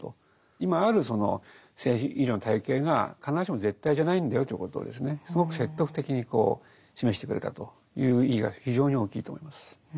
今あるその精神医療の体系が必ずしも絶対じゃないんだよということをすごく説得的に示してくれたという意義が非常に大きいと思います。